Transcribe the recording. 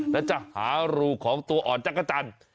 และจะหารูของตัวอ่อนจักรจันทร์